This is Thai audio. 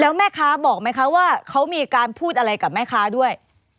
แล้วแม่ค้าบอกไหมคะว่าเขามีการพูดอะไรกับแม่ค้าด้วย